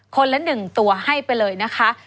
คนละ๑ตัวให้ไปเลยนะคะ